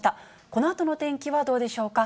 このあとの天気はどうでしょうか。